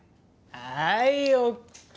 はいＯＫ